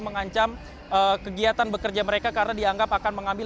mengancam kegiatan bekerja mereka karena dianggap akan mengambil